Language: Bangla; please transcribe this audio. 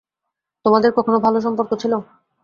তোমাদের কখনো ভালো সম্পর্ক ছিল?